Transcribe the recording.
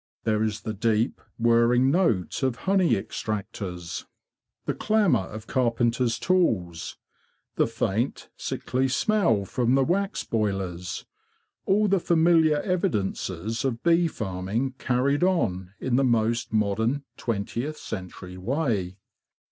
There is the deep, whirring note of honey extractors; the 118 THE BEE MASTER OF WARRILOW clamour of carpenters' tools; the faint, sickly smell from the wax boilers; all the familiar evidences of bee farming carried on in the most modern, twentieth century way.